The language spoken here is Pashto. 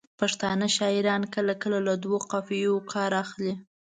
پښتانه شاعران کله کله له دوو قافیو کار اخلي.